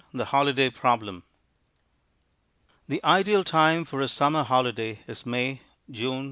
The Holiday Problem The time for a summer holiday is May, June.